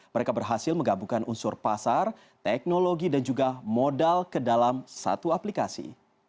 mereka berhasil menggabungkan unsur pasar teknologi dan juga modal ke dalam satu aplikasi